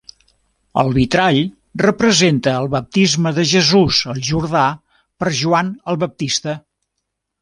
El vitrall representa el Baptisme de Jesús al Jordà per Joan el Baptista.